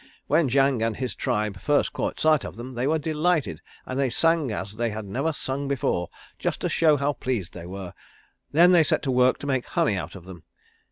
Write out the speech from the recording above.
When Jang and his tribe first caught sight of them they were delighted and they sang as they had never sung before just to show how pleased they were. Then they set to work to make honey out of them.